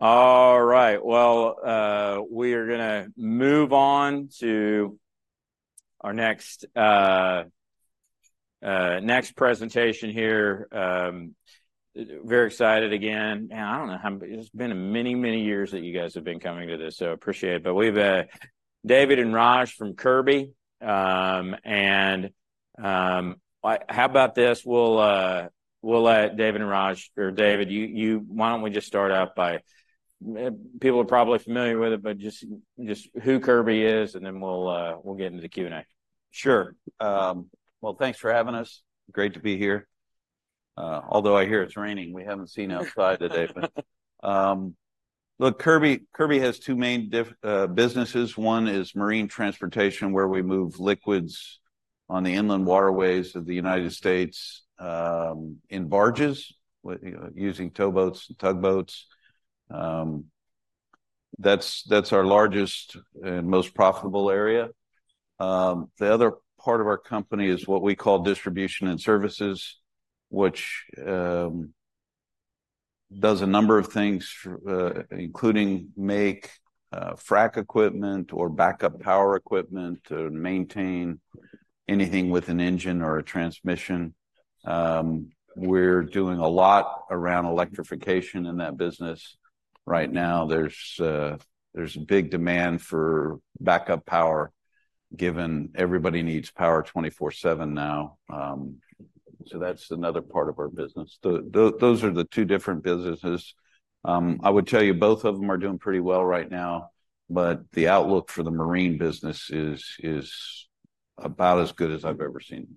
Right. All right, well, we are going to move on to our next, next presentation here. Very excited again. Yeah, I don't know how many it's been many, many years that you guys have been coming to this, so appreciate it. But we've, David and Raj from Kirby, and, how about this? We'll, we'll let David and Raj or David, you, you why don't we just start out by people are probably familiar with it, but just, just who Kirby is, and then we'll, we'll get into the Q and A. Sure. Well, thanks for having us. Great to be here. Although I hear it's raining, we haven't seen outside today, but look, Kirby has two main different businesses. One is marine transportation, where we move liquids on the inland waterways of the United States, in barges, using towboats and tugboats. That's our largest and most profitable area. The other part of our company is what we call distribution and services, which does a number of things, including make frac equipment or backup power equipment to maintain anything with an engine or a transmission. We're doing a lot around electrification in that business right now. There's big demand for backup power, given everybody needs power 24/7 now. So that's another part of our business. Those are the two different businesses. I would tell you both of them are doing pretty well right now, but the outlook for the marine business is about as good as I've ever seen.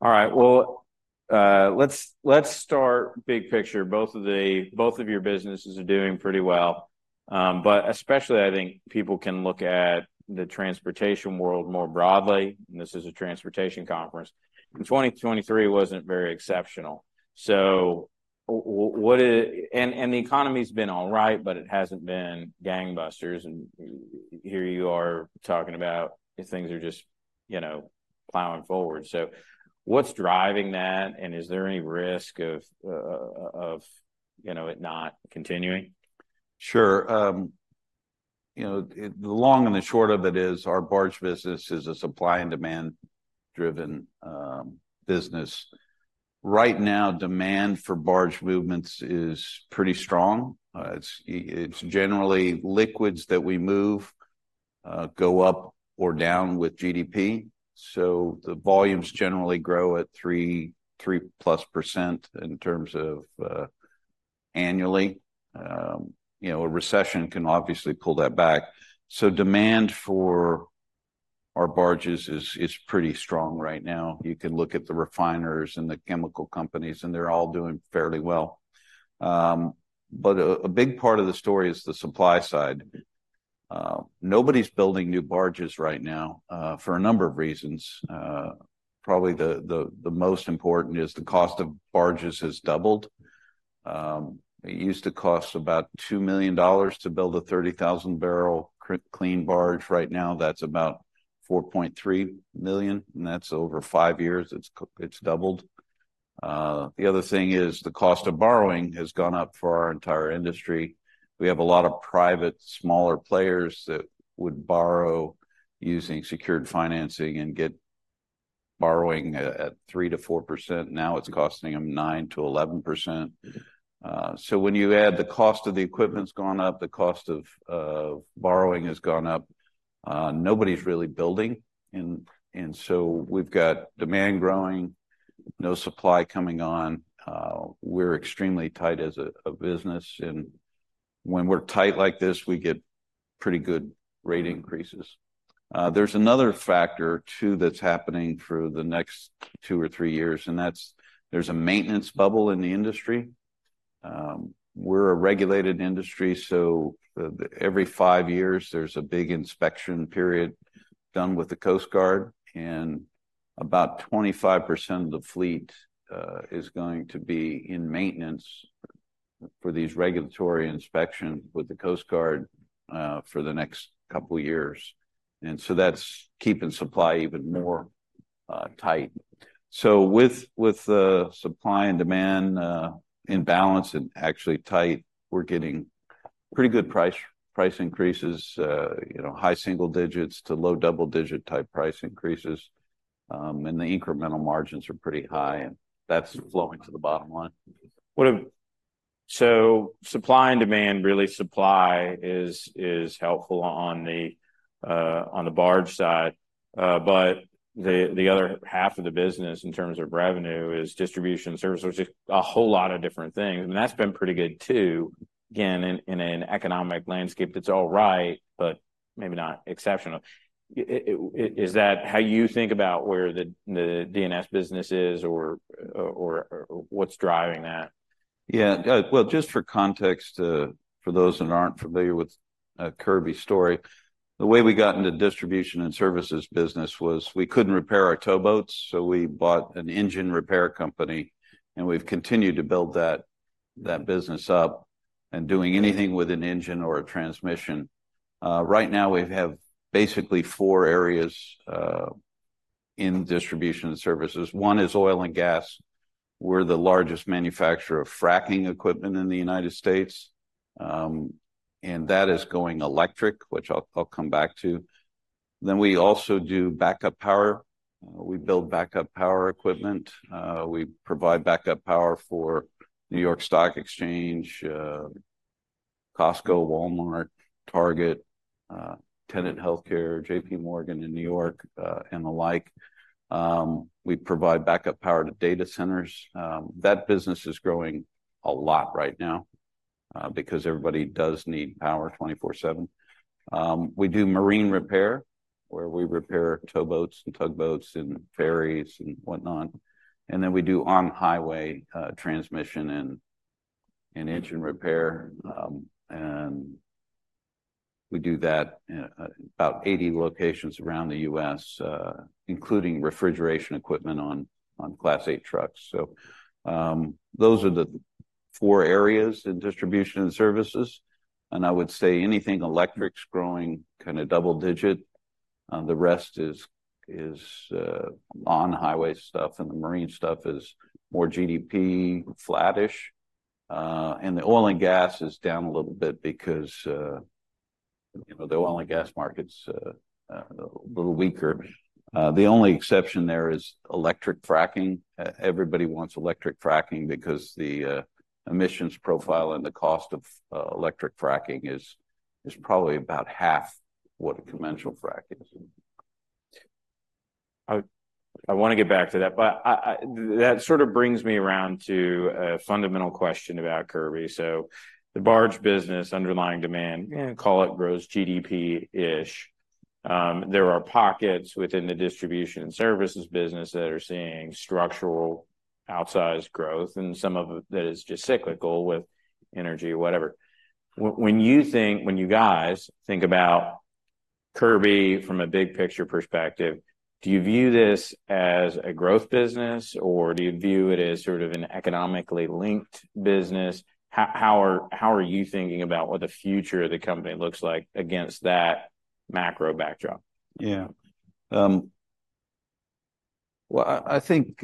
All right, well, let's start big picture. Both of your businesses are doing pretty well, but especially, I think, people can look at the transportation world more broadly. This is a transportation conference. In 2023, it wasn't very exceptional. So what, and the economy's been all right, but it hasn't been gangbusters. And here you are talking about things are just, you know, plowing forward. So what's driving that? And is there any risk of, you know, it not continuing? Sure. You know, the long and the short of it is our barge business is a supply and demand-driven business. Right now, demand for barge movements is pretty strong. It's generally liquids that we move, go up or down with GDP. So the volumes generally grow at 3%-3%+ annually. You know, a recession can obviously pull that back. So demand for our barges is pretty strong right now. You can look at the refiners and the chemical companies, and they're all doing fairly well. But a big part of the story is the supply side. Nobody's building new barges right now, for a number of reasons. Probably the most important is the cost of barges has doubled. It used to cost about $2 million to build a 30,000-barrel clean barge. Right now, that's about $4.3 million. That's over five years. It's, it's doubled. The other thing is the cost of borrowing has gone up for our entire industry. We have a lot of private smaller players that would borrow using secured financing and get borrowing at, at 3%-4%. Now it's costing them 9%-11%. So when you add the cost of the equipment's gone up, the cost of, of borrowing has gone up. Nobody's really building. And so we've got demand growing, no supply coming on. We're extremely tight as a, a business. And when we're tight like this, we get pretty good rate increases. There's another factor, too, that's happening through the next two or three years. And that's, there's a maintenance bubble in the industry. We're a regulated industry. So the, the every five years, there's a big inspection period done with the Coast Guard. About 25% of the fleet is going to be in maintenance for these regulatory inspections with the Coast Guard for the next couple of years. So that's keeping supply even more tight. With the supply and demand in balance and actually tight, we're getting pretty good price increases, you know, high single digits to low double-digit type price increases. The incremental margins are pretty high. That's flowing to the bottom line. What about supply and demand, really? Supply is helpful on the barge side. But the other half of the business, in terms of revenue, is distribution and services, which is a whole lot of different things. And that's been pretty good, too. Again, in an economic landscape, it's all right, but maybe not exceptional. Is that how you think about where the D&S business is or what's driving that? Yeah. Well, just for context, for those that aren't familiar with Kirby's story, the way we got into distribution and services business was we couldn't repair our towboats. So we bought an engine repair company. And we've continued to build that, that business up and doing anything with an engine or a transmission. Right now, we have basically four areas in distribution and services. One is oil and gas. We're the largest manufacturer of fracking equipment in the United States. And that is going electric, which I'll, I'll come back to. Then we also do backup power. We build backup power equipment. We provide backup power for New York Stock Exchange, Costco, Walmart, Target, Tenet Healthcare, JPMorgan in New York, and the like. We provide backup power to data centers. That business is growing a lot right now, because everybody does need power 24/7. We do marine repair, where we repair towboats and tugboats and ferries and whatnot. Then we do on-highway transmission and engine repair. We do that in about 80 locations around the U.S., including refrigeration equipment on Class 8 trucks. So, those are the four areas in distribution and services. And I would say anything electric's growing kind of double-digit. The rest is on-highway stuff. And the marine stuff is more GDP-flatish. The oil and gas is down a little bit because, you know, the oil and gas market's a little weaker. The only exception there is electric fracking. Everybody wants electric fracking because the emissions profile and the cost of electric fracking is probably about half what a conventional frac is. I want to get back to that. But that sort of brings me around to a fundamental question about Kirby. So the barge business, underlying demand, yeah, call it grows GDP-ish. There are pockets within the distribution and services business that are seeing structural outsized growth. And some of it that is just cyclical with energy or whatever. When you guys think about Kirby from a big picture perspective, do you view this as a growth business? Or do you view it as sort of an economically linked business? How are you thinking about what the future of the company looks like against that macro backdrop? Yeah. Well, I think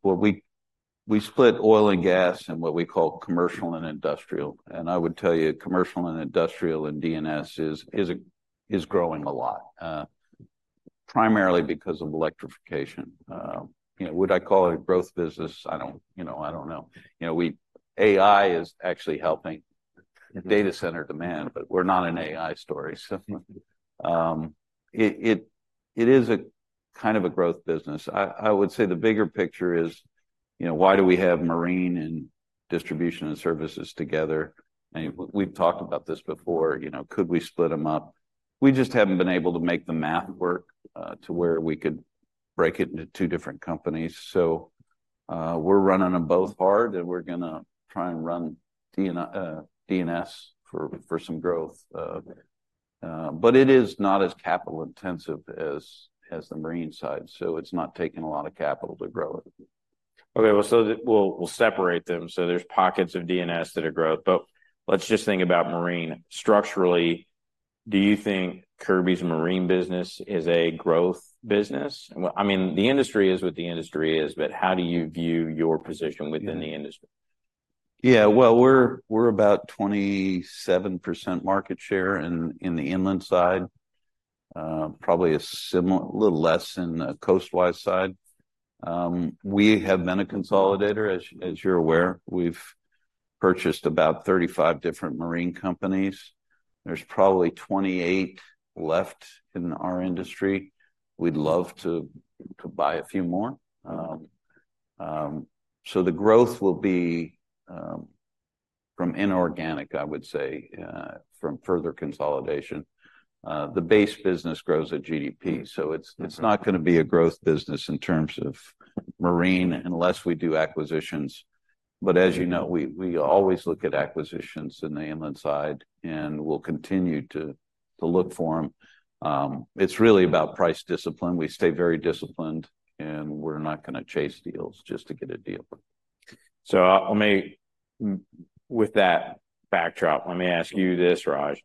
what we split oil and gas in what we call commercial and industrial. And I would tell you, commercial and industrial in D&S is growing a lot, primarily because of electrification. You know, would I call it a growth business? I don't know. You know, I don't know. You know, AI is actually helping data center demand. But we're not an AI story. So, it is a kind of a growth business. I would say the bigger picture is, you know, why do we have marine and distribution and services together? And we've talked about this before. You know, could we split them up? We just haven't been able to make the math work, to where we could break it into two different companies. So, we're running them both hard. We're going to try and run D&S for some growth, but it is not as capital-intensive as the marine side. So it's not taking a lot of capital to grow it. Okay. Well, so we'll, we'll separate them. So there's pockets of D&S that are growth. But let's just think about marine. Structurally, do you think Kirby's marine business is a growth business? I mean, the industry is what the industry is. But how do you view your position within the industry? Yeah. Well, we're about 27% market share in the inland side, probably a similar a little less in the coastwise side. We have been a consolidator, as you're aware. We've purchased about 35 different marine companies. There's probably 28 left in our industry. We'd love to buy a few more. So the growth will be from inorganic, I would say, from further consolidation. The base business grows at GDP. So it's not going to be a growth business in terms of marine unless we do acquisitions. But as you know, we always look at acquisitions in the inland side. And we'll continue to look for them. It's really about price discipline. We stay very disciplined. And we're not going to chase deals just to get a deal. So, with that backdrop, let me ask you this, Raj.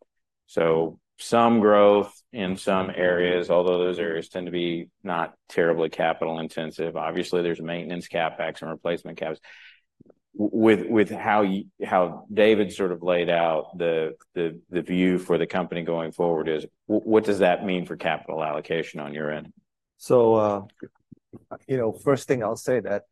Some growth in some areas, although those areas tend to be not terribly capital-intensive. Obviously, there's maintenance CapEx and replacement CapEx. With how David sort of laid out the view for the company going forward, what does that mean for capital allocation on your end? So, you know, first thing, I'll say that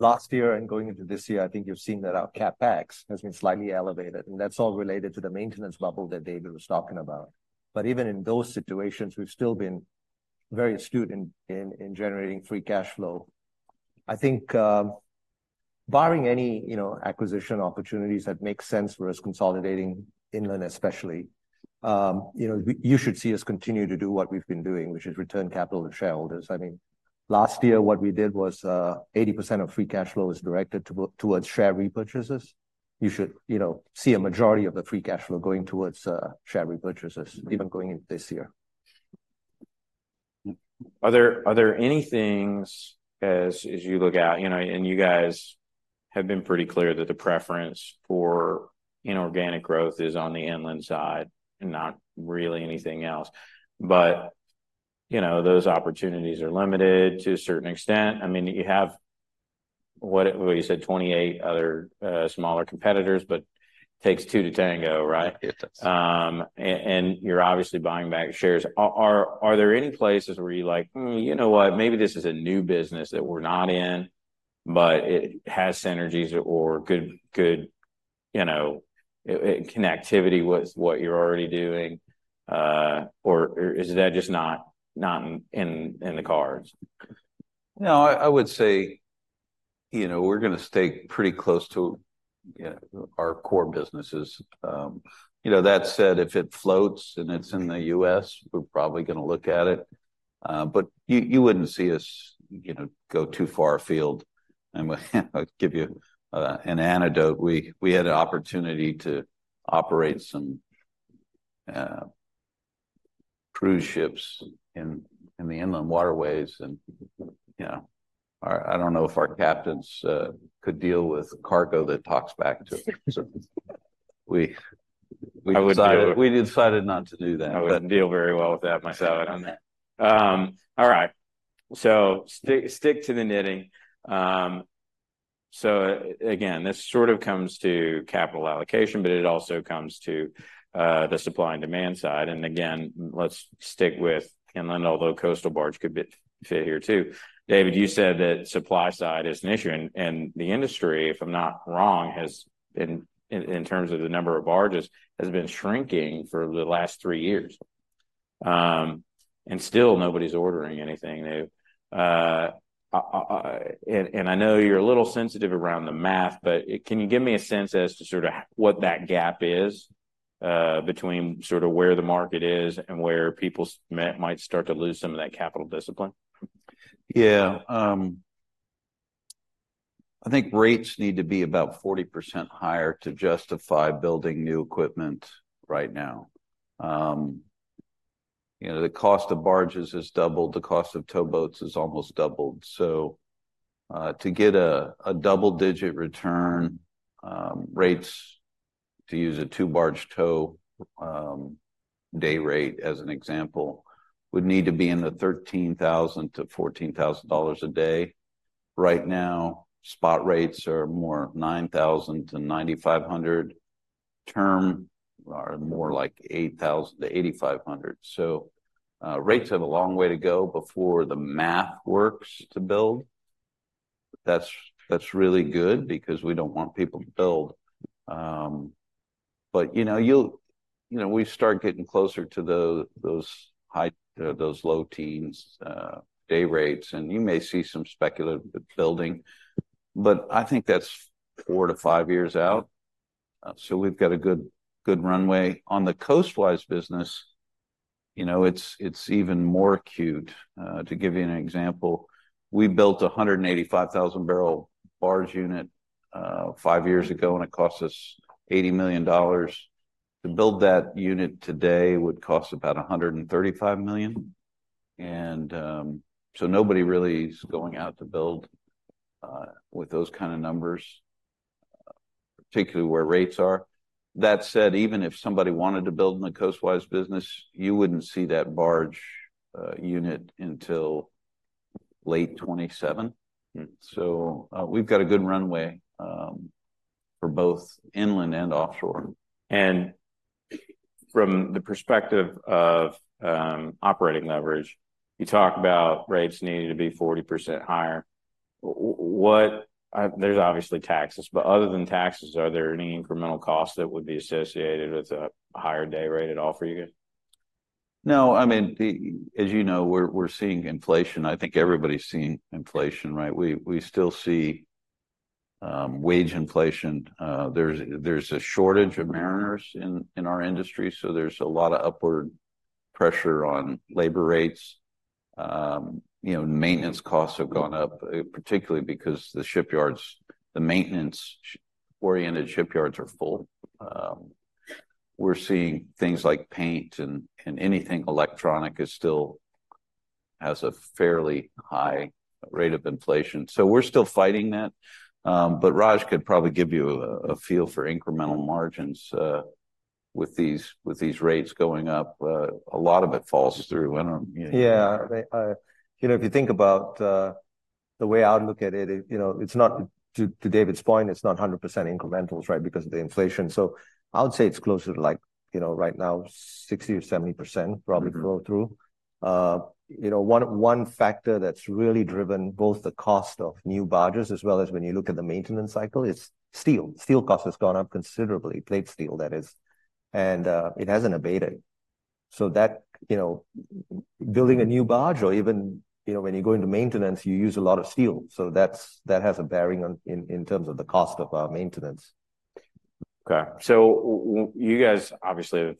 last year and going into this year, I think you've seen that our CapEx has been slightly elevated. And that's all related to the maintenance bubble that David was talking about. But even in those situations, we've still been very astute in generating free cash flow. I think, barring any, you know, acquisition opportunities that make sense for us, consolidating inland especially, you know, you should see us continue to do what we've been doing, which is return capital to shareholders. I mean, last year, what we did was, 80% of free cash flow was directed towards share repurchases. You should, you know, see a majority of the free cash flow going towards share repurchases, even going into this year. Are there anything, as you look out, you know, and you guys have been pretty clear that the preference for inorganic growth is on the inland side and not really anything else. But, you know, those opportunities are limited to a certain extent. I mean, you have, well, you said 28 other, smaller competitors. But it takes two to tango, right? It does. You're obviously buying back shares. Are there any places where you're like, you know what? Maybe this is a new business that we're not in. But it has synergies or good, you know, it connectivity with what you're already doing," or is that just not in the cards? No, I would say, you know, we're going to stay pretty close to, you know, our core businesses. You know, that said, if it floats and it's in the U.S., we're probably going to look at it. But you wouldn't see us, you know, go too far afield. And I'll give you an anecdote. We had an opportunity to operate some cruise ships in the inland waterways. And, you know, our, I don't know if our captains could deal with cargo that talks back to it. So we decided not to do that. I wouldn't deal very well with that myself. I don't know. All right. So stick to the knitting. So again, this sort of comes to capital allocation. But it also comes to the supply and demand side. And again, let's stick with inland, although coastal barge could be fit here, too. David, you said that supply side is an issue. And the industry, if I'm not wrong, has been, in terms of the number of barges, shrinking for the last three years. And still, nobody's ordering anything new. And I know you're a little sensitive around the math. But can you give me a sense as to sort of what that gap is, between sort of where the market is and where people might start to lose some of that capital discipline? Yeah. I think rates need to be about 40% higher to justify building new equipment right now. You know, the cost of barges has doubled. The cost of towboats has almost doubled. So, to get a, a double-digit return, rates to use a two-barge tow, day rate, as an example, would need to be in the $13,000-$14,000 a day. Right now, spot rates are more $9,000-$9,500. Term are more like $8,000-$8,500. So, rates have a long way to go before the math works to build. That's, that's really good because we don't want people to build. But, you know, you'll you know, we start getting closer to those, those high those low-teens, day rates. And you may see some speculative building. But I think that's 4-5 years out. So we've got a good, good runway. On the coastwise business, you know, it's even more acute. To give you an example, we built a 185,000-barrel barge unit, five years ago. It cost us $80 million. To build that unit today would cost about $135 million. So nobody really's going out to build, with those kind of numbers, particularly where rates are. That said, even if somebody wanted to build in the coastwise business, you wouldn't see that barge unit until late 2027. So, we've got a good runway, for both inland and offshore. From the perspective of operating leverage, you talk about rates needing to be 40% higher. What? There's obviously taxes. But other than taxes, are there any incremental costs that would be associated with a higher day rate at all for you guys? No. I mean, as you know, we're seeing inflation. I think everybody's seeing inflation, right? We still see wage inflation. There's a shortage of mariners in our industry. So there's a lot of upward pressure on labor rates. You know, maintenance costs have gone up, particularly because the shipyards, the maintenance-oriented shipyards—are full. We're seeing things like paint and anything electronic still has a fairly high rate of inflation. So we're still fighting that. But Raj could probably give you a feel for incremental margins with these rates going up. A lot of it falls through. I don't know. Yeah. They, you know, if you think about the way I look at it, it, you know, it's not, to David's point, it's not 100% incrementals, right, because of the inflation. So I would say it's closer to like, you know, right now, 60%-70% probably flow through. You know, one, one factor that's really driven both the cost of new barges, as well as when you look at the maintenance cycle, is steel. Steel cost has gone up considerably, plate steel, that is. And it hasn't abated. So that, you know, building a new barge or even, you know, when you go into maintenance, you use a lot of steel. So that's that has a bearing on in, in terms of the cost of our maintenance. Okay. So you guys obviously have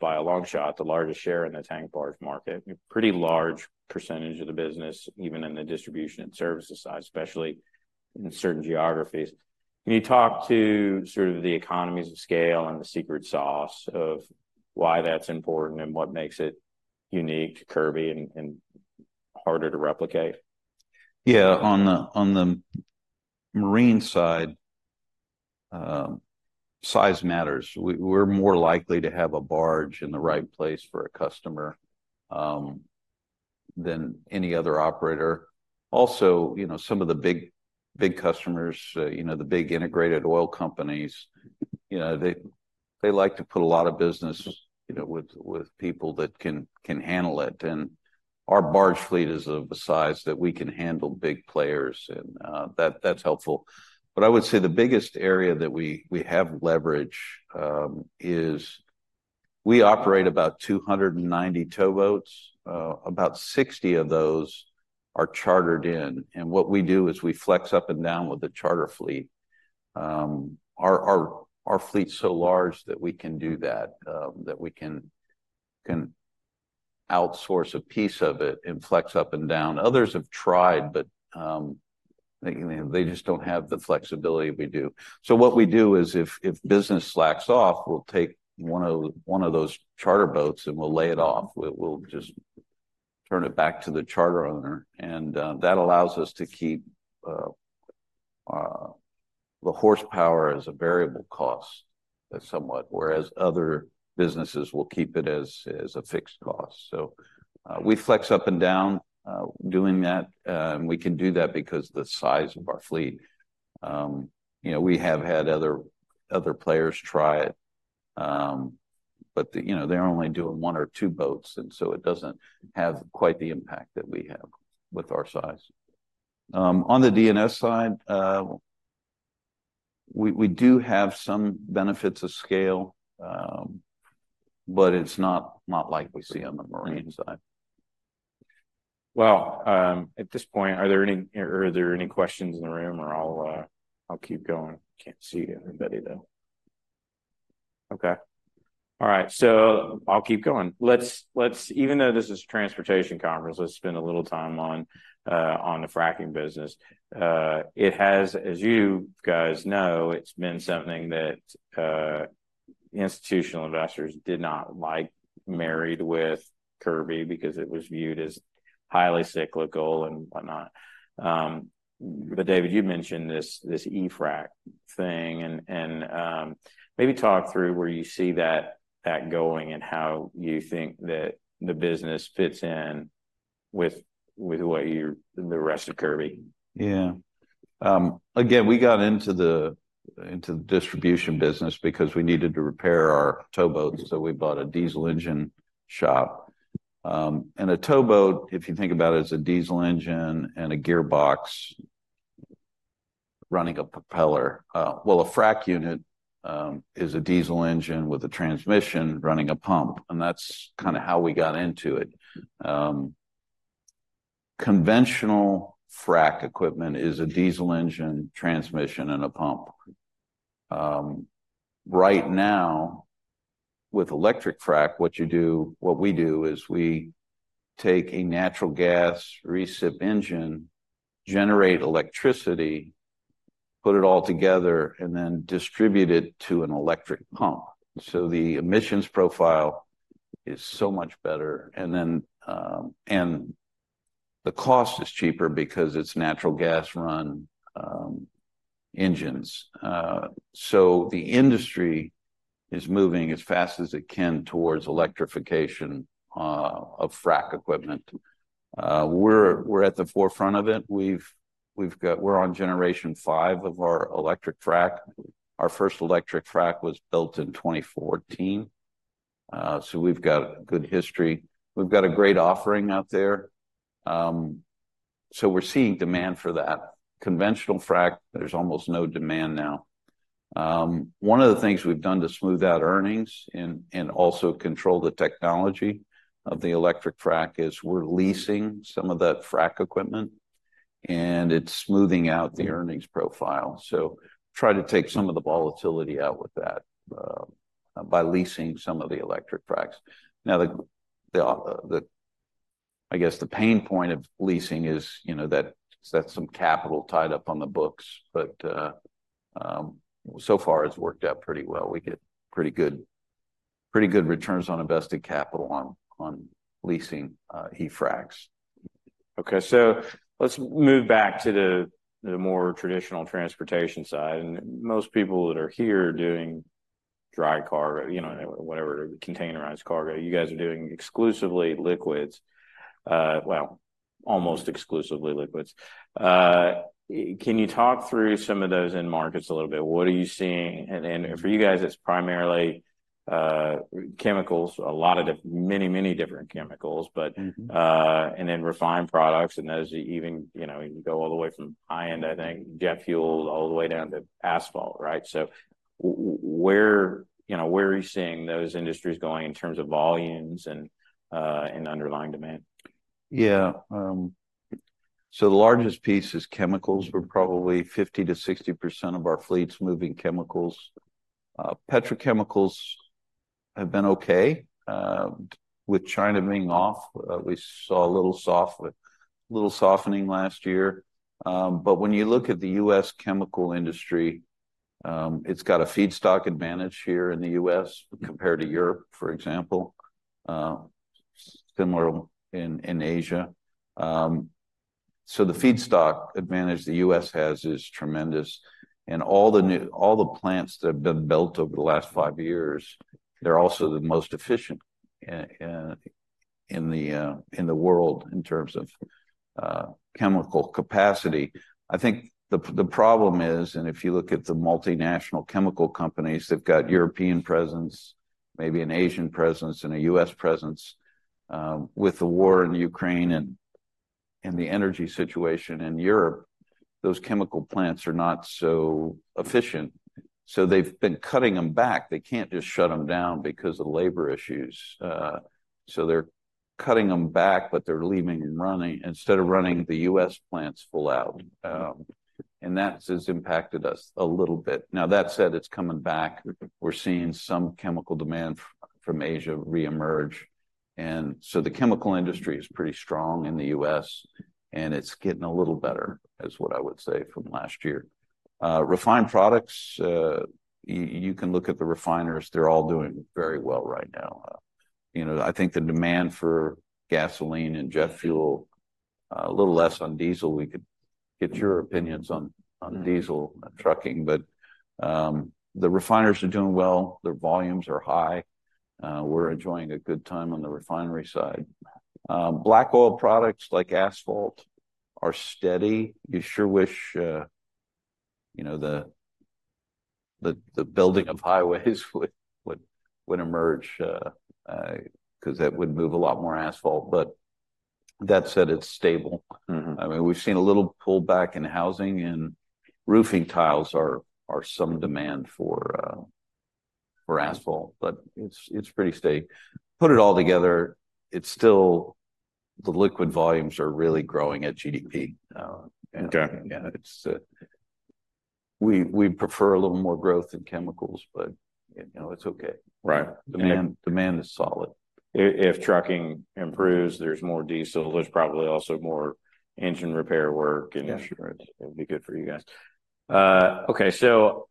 by a long shot the largest share in the tank barge market, a pretty large percentage of the business, even in the distribution and services side, especially in certain geographies. Can you talk to sort of the economies of scale and the secret sauce of why that's important and what makes it unique to Kirby and harder to replicate? Yeah. On the marine side, size matters. We're more likely to have a barge in the right place for a customer than any other operator. Also, you know, some of the big customers, you know, the big integrated oil companies, you know, they like to put a lot of business, you know, with people that can handle it. And our barge fleet is of a size that we can handle big players. And that's helpful. But I would say the biggest area that we have leverage is we operate about 290 towboats. About 60 of those are chartered in. And what we do is we flex up and down with the charter fleet. Our fleet's so large that we can do that, that we can outsource a piece of it and flex up and down. Others have tried. But they, you know, they just don't have the flexibility we do. So what we do is, if business slacks off, we'll take one of those charter boats. And we'll lay it off. We'll just turn it back to the charter owner. And that allows us to keep the horsepower as a variable cost somewhat, whereas other businesses will keep it as a fixed cost. So we flex up and down, doing that. And we can do that because of the size of our fleet. You know, we have had other players try it. But, you know, they're only doing one or two boats. And so it doesn't have quite the impact that we have with our size. On the D&S side, we do have some benefits of scale. But it's not like we see on the marine side. Well, at this point, are there any questions in the room? Or I'll keep going. Can't see everybody, though. Okay. All right. So I'll keep going. Let's even though this is a transportation conference, let's spend a little time on the fracking business. It has, as you guys know, it's been something that institutional investors did not like married with Kirby because it was viewed as highly cyclical and whatnot. But David, you mentioned this E-Frac thing. And maybe talk through where you see that going and how you think that the business fits in with what you're the rest of Kirby. Yeah. Again, we got into the distribution business because we needed to repair our towboats. So we bought a diesel engine shop. And a towboat, if you think about it, is a diesel engine and a gearbox running a propeller. Well, a frac unit is a diesel engine with a transmission running a pump. And that's kind of how we got into it. Conventional frac equipment is a diesel engine, transmission, and a pump. Right now, with electric frac, what we do is we take a natural gas reciprocating engine, generate electricity, put it all together, and then distribute it to an electric pump. So the emissions profile is so much better. And the cost is cheaper because it's natural gas run engines. So the industry is moving as fast as it can towards electrification of frac equipment. We're at the forefront of it. We've got, we're on generation five of our electric frac. Our first electric frac was built in 2014. So we've got good history. We've got a great offering out there. So we're seeing demand for that. Conventional frac, there's almost no demand now. One of the things we've done to smooth out earnings and also control the technology of the electric frac is we're leasing some of that frac equipment. It's smoothing out the earnings profile. So try to take some of the volatility out with that, by leasing some of the electric fracs. Now, I guess the pain point of leasing is, you know, that's some capital tied up on the books. But so far, it's worked out pretty well. We get pretty good returns on invested capital on leasing E-Fracs. Okay. So let's move back to the more traditional transportation side. And most people that are here doing dry cargo, you know, whatever, containerized cargo, you guys are doing exclusively liquids. Well, almost exclusively liquids. Can you talk through some of those in-markets a little bit? What are you seeing? And for you guys, it's primarily chemicals, a lot of many, many different chemicals. But, and then refined products. And those even, you know, you go all the way from high-end, I think, jet fuel, all the way down to asphalt, right? So where, you know, where are you seeing those industries going in terms of volumes and underlying demand? Yeah. So the largest piece is chemicals. We're probably 50%-60% of our fleets moving chemicals. Petrochemicals have been okay, with China being off. We saw a little softening last year. But when you look at the U.S. chemical industry, it's got a feedstock advantage here in the U.S. compared to Europe, for example, similar in Asia. So the feedstock advantage the U.S. has is tremendous. And all the new plants that have been built over the last five years, they're also the most efficient in the world in terms of chemical capacity. I think the problem is, and if you look at the multinational chemical companies, they've got European presence, maybe an Asian presence, and a U.S. presence. With the war in Ukraine and the energy situation in Europe, those chemical plants are not so efficient. So they've been cutting them back. They can't just shut them down because of labor issues. So they're cutting them back. But they're leaving and running instead of running the U.S. plants full out. And that has impacted us a little bit. Now, that said, it's coming back. We're seeing some chemical demand from Asia reemerge. And so the chemical industry is pretty strong in the U.S. And it's getting a little better, is what I would say, from last year. Refined products, you, you can look at the refiners. They're all doing very well right now. You know, I think the demand for gasoline and jet fuel, a little less on diesel. We could get your opinions on, on diesel trucking. But, the refiners are doing well. Their volumes are high. We're enjoying a good time on the refinery side. Black oil products like asphalt are steady. You sure wish, you know, the building of highways would emerge, because that would move a lot more asphalt. But that said, it's stable. I mean, we've seen a little pullback in housing. And roofing tiles are some demand for asphalt. But it's pretty steady. Put it all together, it's still the liquid volumes are really growing at GDP. And yeah, we prefer a little more growth in chemicals. But, you know, it's okay. Right. Demand, demand is solid. If trucking improves, there's more diesel. There's probably also more engine repair work. And sure, it'd be good for you guys. Okay. So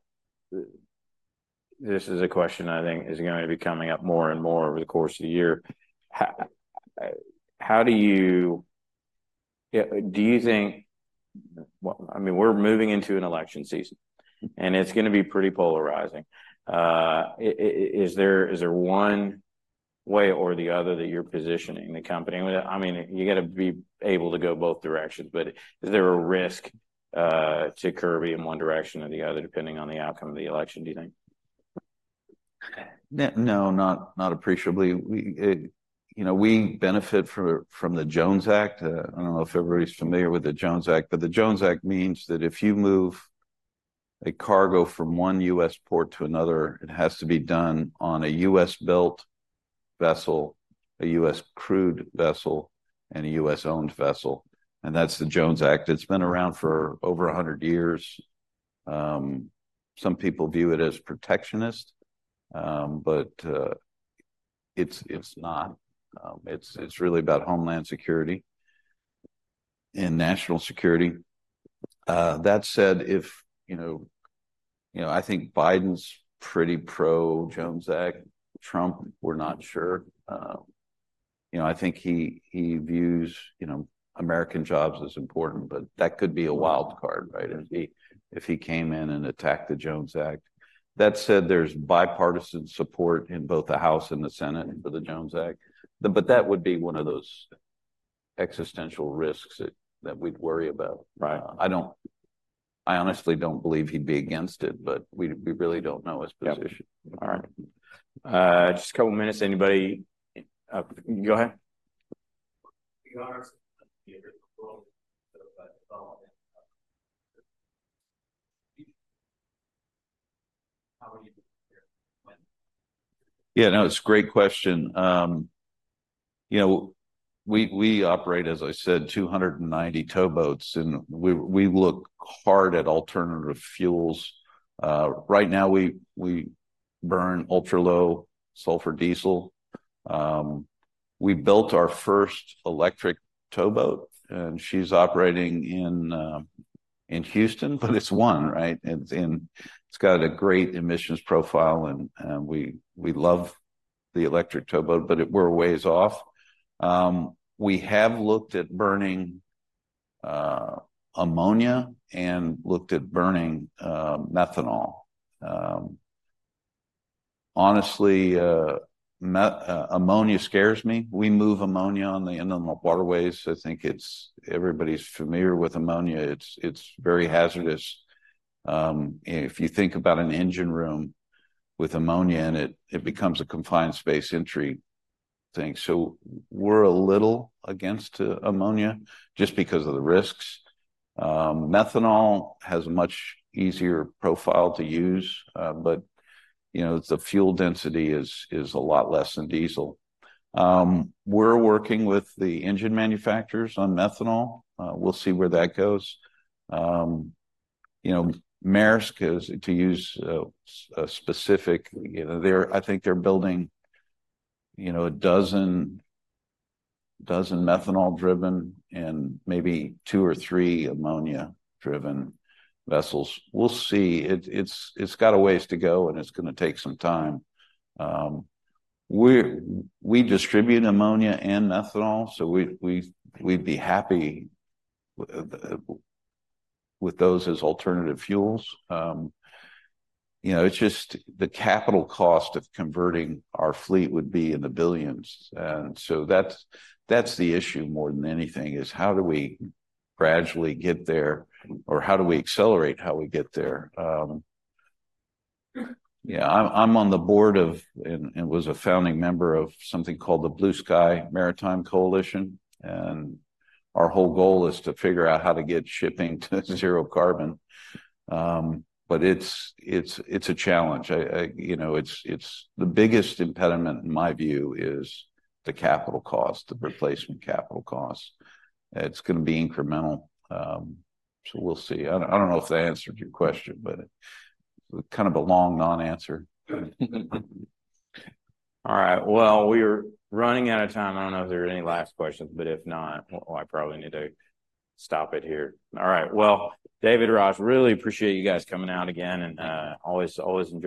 this is a question, I think, is going to be coming up more and more over the course of the year. How do you yeah? Do you think what I mean, we're moving into an election season. And it's going to be pretty polarizing. Is there one way or the other that you're positioning the company? I mean, you got to be able to go both directions. But is there a risk to Kirby in one direction or the other, depending on the outcome of the election, do you think? No, not appreciably. We, you know, we benefit from the Jones Act. I don't know if everybody's familiar with the Jones Act. But the Jones Act means that if you move a cargo from one U.S. port to another, it has to be done on a U.S.-built vessel, a U.S.-crewed vessel, and a U.S.-owned vessel. And that's the Jones Act. It's been around for over 100 years. Some people view it as protectionist, but it's not. It's really about Homeland Security and National Security. That said, you know, I think Biden's pretty pro-Jones Act. Trump, we're not sure. You know, I think he views American jobs as important. But that could be a wild card, right? If he came in and attacked the Jones Act. That said, there's bipartisan support in both the House and the Senate for the Jones Act. But that would be one of those existential risks that we'd worry about. Right. I honestly don't believe he'd be against it. But we really don't know his position. All right. Just a couple minutes. Anybody go ahead. [inaudible] Yeah. No, it's a great question. You know, we, we operate, as I said, 290 towboats. And we, we look hard at alternative fuels. Right now, we, we burn ultra-low sulfur diesel. We built our first electric towboat. And she's operating in, in Houston. But it's one, right? It's, it's got a great emissions profile. And, and we, we love the electric towboat. But it. We're ways off. We have looked at burning ammonia and looked at burning methanol. Honestly, ammonia scares me. We move ammonia on the inland waterways. I think it's everybody's familiar with ammonia. It's, it's very hazardous. If you think about an engine room with ammonia in it, it becomes a confined space entry thing. So we're a little against ammonia just because of the risks. Methanol has a much easier profile to use. You know, the fuel density is a lot less than diesel. We're working with the engine manufacturers on methanol. We'll see where that goes. You know, Maersk is to use a specific, you know, they're, I think they're building, you know, 12 methanol-driven and maybe two or three ammonia-driven vessels. We'll see. It's got a ways to go. And it's going to take some time. We distribute ammonia and methanol. So we we'd be happy with those as alternative fuels. You know, it's just the capital cost of converting our fleet would be in the $ billions. And so that's the issue more than anything, is how do we gradually get there? Or how do we accelerate how we get there? Yeah. I'm on the board of and was a founding member of something called the Blue Sky Maritime Coalition. Our whole goal is to figure out how to get shipping to zero carbon. But it's a challenge. You know, it's the biggest impediment, in my view, is the capital cost, the replacement capital cost. It's going to be incremental. So we'll see. I don't know if that answered your question. But it's kind of a long non-answer. All right. Well, we are running out of time. I don't know if there are any last questions. But if not, well, I probably need to stop it here. All right. Well, David, Raj, really appreciate you guys coming out again. And, always, always enjoy.